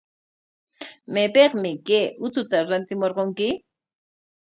¿Maypikmi kay uchuta rantimurqunki?